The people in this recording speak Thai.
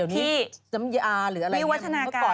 น้ำยาหรืออะไรมีวัฒนาการ